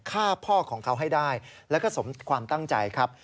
ฆ่าพ่อของเขาให้ได้แล้วก็สมความตั้งใจครับ